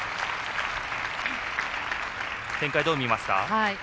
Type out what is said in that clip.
展開、どう見ますか？